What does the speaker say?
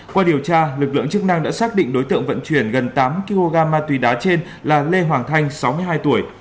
qua điều tra lực lượng chức năng đã xác định đối tượng vận chuyển gần tám kg ma túy đá trên là lê hoàng thanh sáu mươi hai tuổi